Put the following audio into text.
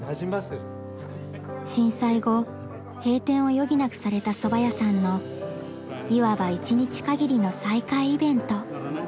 震災後閉店を余儀なくされたそば屋さんのいわば一日限りの再開イベント。